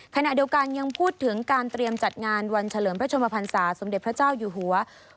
ขณะเดียวกันยังพูดถึงการเตรียมจัดงานวันเฉลิมพระชมพันศาสมเด็จพระเจ้าอยู่หัว